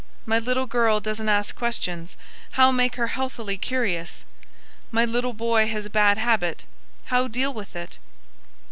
My little girl doesn't ask questions how make her healthily curious? My little boy has a bad habit how deal with it?